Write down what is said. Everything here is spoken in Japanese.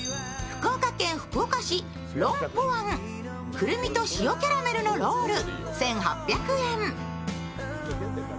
福岡県福岡市ロン・ポワン、クルミと塩キャラメルのロール。